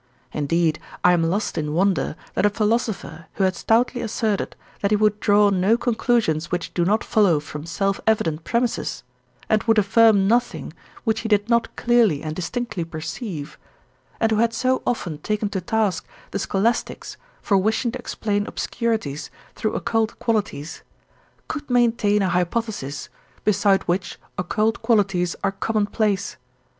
Indeed, I am lost in wonder, that a philosopher, who had stoutly asserted, that he would draw no conclusions which do not follow from self evident premisses, and would affirm nothing which he did not clearly and distinctly perceive, and who had so often taken to task the scholastics for wishing to explain obscurities through occult qualities, could maintain a hypothesis, beside which occult qualities are commonplace.